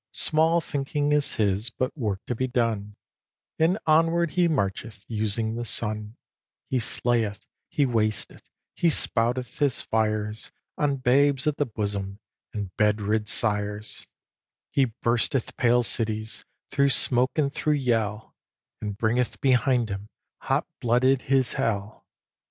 Small thinking is his but of work to be done, And onward he marcheth, using the sun: He slayeth, he wasteth, he spouteth his fires On babes at the bosom, and bed rid sires; He bursteth pale cities, through smoke and through yell, And bringeth behind him, hot blooded, his hell.